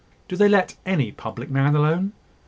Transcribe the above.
"Do they let any public man alone?